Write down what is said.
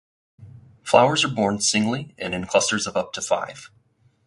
Flowers are borne singly and in clusters of up to five.